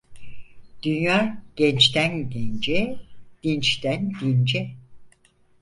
Dünya gençten gence, dinçten dince.